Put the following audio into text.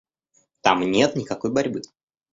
Там нет никакой борьбы.